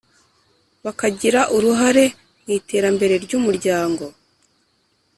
bakagira uruhare mu iterambere ry’umuryango.